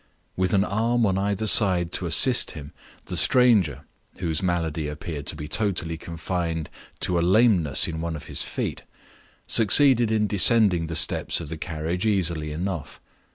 With an arm on either side to assist him, the stranger (whose malady appeared to be locally confined to a lameness in one of his feet) succeeded in descending the steps of the carriage easily enough.